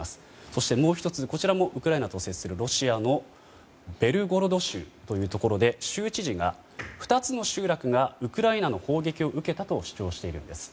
そしてもう１つ、こちらもウクライナと接するロシアのベルゴロド州というところで州知事が２つの集落がウクライナの砲撃を受けたと主張しているんです。